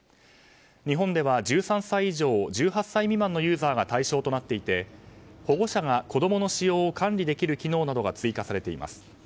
日本では１３歳以上１８歳未満のユーザーが対象となっていて、保護者が子供の使用を管理できる機能などが追加されています。